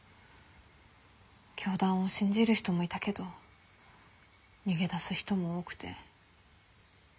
教団を信じる人もいたけど逃げ出す人も多くて。